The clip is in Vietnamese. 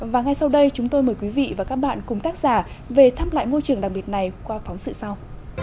và ngay sau đây chúng tôi mời quý vị và các bạn cùng tác giả về thăm lại ngôi trường đặc biệt này qua phóng sự sau